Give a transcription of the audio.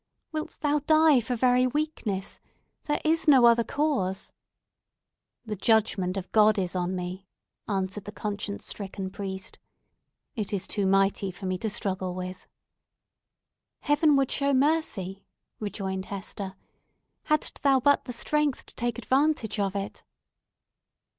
"Wilt thou die for very weakness? There is no other cause!" "The judgment of God is on me," answered the conscience stricken priest. "It is too mighty for me to struggle with!" "Heaven would show mercy," rejoined Hester, "hadst thou but the strength to take advantage of it."